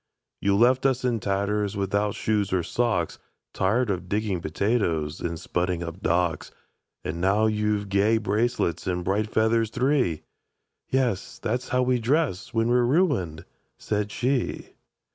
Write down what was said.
—"You left us in tatters, without shoes or socks, Tired of digging potatoes, and spudding up docks; And now you've gay bracelets and bright feathers three!"— "Yes: that's how we dress when we're ruined," said she.